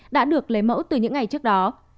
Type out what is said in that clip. đã được lấy mẫu từ những ngày trước đó